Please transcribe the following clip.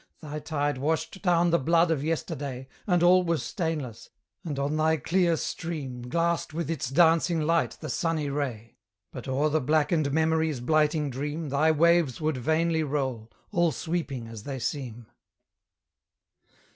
Thy tide washed down the blood of yesterday, And all was stainless, and on thy clear stream Glassed with its dancing light the sunny ray; But o'er the blackened memory's blighting dream Thy waves would vainly roll, all sweeping as they seem.